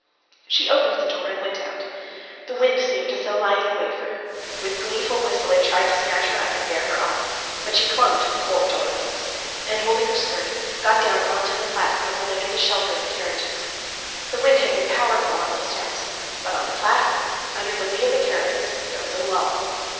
She opened the door and went out. The wind seemed as though lying in wait for her; with gleeful whistle it tried to snatch her up and bear her off, but she clung to the cold door post, and holding her skirt got down onto the platform and under the shelter of the carriages. The wind had been powerful on the steps, but on the platform, under the lee of the carriages, there was a lull.